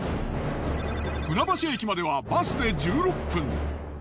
船橋駅まではバスで１６分。